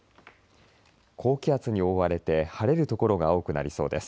高気圧に覆われて晴れる所が多くなりそうです。